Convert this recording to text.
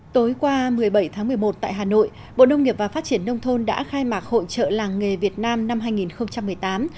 tối qua một mươi bảy tháng một mươi một tại hà nội bộ nông nghiệp và phát triển nông thôn đã khai mạc hội trợ làng nghề việt nam năm hai nghìn một mươi tám